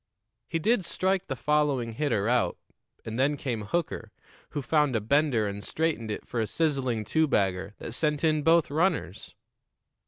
He did strike the following hitter out; and then came Hooker, who found a bender and straightened it for a sizzling two bagger that sent in both runners.